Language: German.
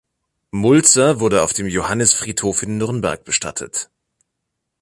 Mulzer wurde auf dem Johannisfriedhof in Nürnberg bestattet.